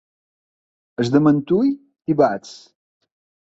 Els de Mentui, tibats.